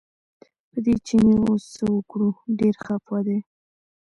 په دې چیني اوس څه وکړو ډېر خپه دی.